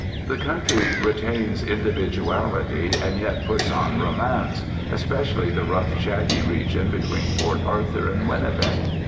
The country retains individuality, and yet puts on romance, especially the rough, shaggy region between Port Arthur and Winnipeg.